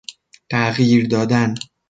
تغییر دادن